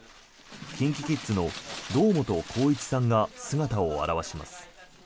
ＫｉｎＫｉＫｉｄｓの堂本光一さんが姿を現します。